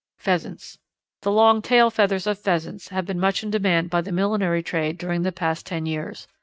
Pheasants. The long tail feathers of Pheasants have been much in demand by the millinery trade during the past ten years.